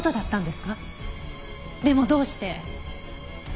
でもどうして。